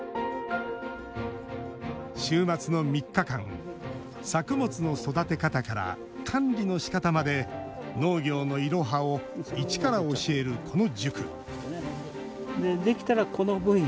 週末の３日間、作物の育て方から管理のしかたまで農業のイロハを一から教えるこの塾。